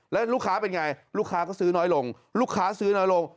แล้วลูกค้าเป็นไงลูกค้าก็ซื้อน้อยลงลูกค้าซื้อน้อยลง